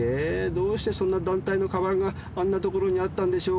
どうしてそんな団体の鞄があんな所にあったんでしょうか？